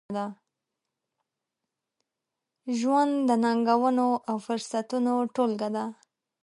ژوند د ننګونو، او فرصتونو ټولګه ده.